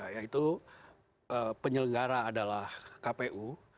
yaitu penyelenggara adalah kpu